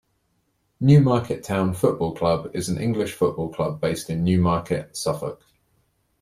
Newmarket Town Football Club is an English football club based in Newmarket, Suffolk.